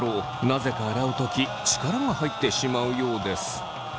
なぜか洗う時力が入ってしまうようです。